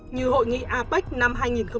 như hội nghị apec năm hai nghìn sáu